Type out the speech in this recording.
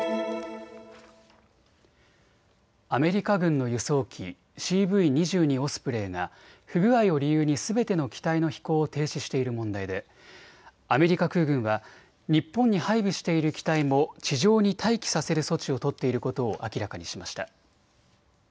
アメリカ軍の輸送機、ＣＶ２２オスプレイが不具合を理由にすべての機体の飛行を停止している問題でアメリカ空軍は日本に配備している機体も地上に待機させる措置を取っていることを明らかにしました。